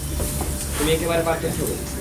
তুমি একেবারে পারফেক্ট হবে।